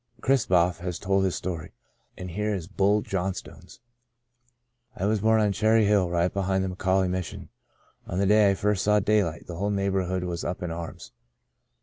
Chris Balf has told his story and here is Bull John stone's :*' I was born on Cherry Hill right behind the McAuley Mission. On the day I first saw daylight the whole neighbourhood was up in arms.